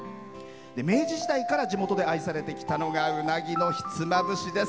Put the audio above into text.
明治時代から地元で愛されてきたのはうなぎのひつまぶしです。